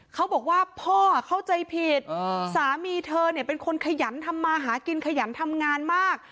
เขาบอกว่าพ่อเข้าใจผิดสามีเธอเนี่ยเป็นคนขยันทำมาหากินขยันทำงานมาก